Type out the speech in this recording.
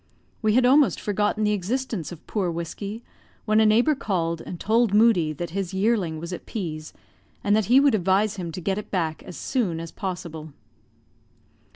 We had almost forgotten the existence of poor Whiskey, when a neighbor called and told Moodie that his yearling was at P 's, and that he would advise him to get it back as soon as possible.